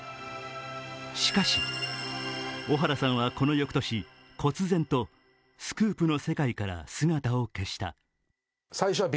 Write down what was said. しかし、小原さんはこの翌年、こつ然とスクープの世界から姿を消した。